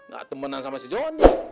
gak temenan sama si johnny